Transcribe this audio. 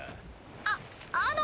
ああの。